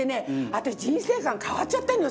私人生観変わっちゃったのよ